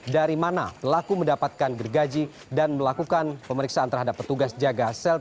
dari mana pelaku mendapatkan gergaji dan melakukan pemeriksaan terhadap petugas jaga sel